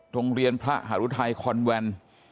โรงเรียนพระหารุทัยคอนแวน